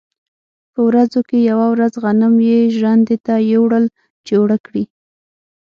په ورځو کې یوه ورځ غنم یې ژرندې ته یووړل چې اوړه کړي.